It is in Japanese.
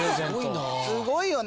すごいな。